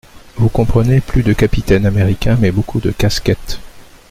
Vous comprenez: plus de capitaine américain, mais beaucoup de casquettes.